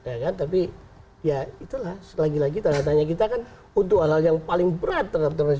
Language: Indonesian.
ya kan tapi ya itulah lagi lagi tanda tanya kita kan untuk hal hal yang paling berat terhadap teroris